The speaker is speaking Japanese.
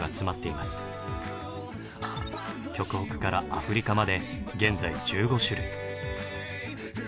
極北からアフリカまで現在１５種類。